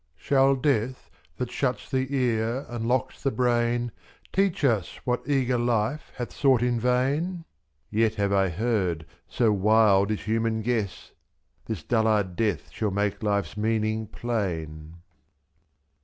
Shall death, that shuts the ear and locks the brain. Teach us what eager life hath sought in vain ? i^f.Yet have I heard, so wild is human guess! This dullard death shall make life's meaning plain.